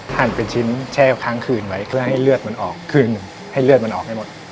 หั่นเป็นชิ้นแช่ค้างคืนไว้เพื่อให้เลือดมันออกคืนหนึ่งให้เลือดมันออกให้หมด